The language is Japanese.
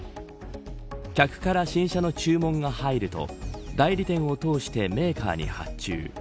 客から新車の注文が入ると代理店を通してメーカーに発注。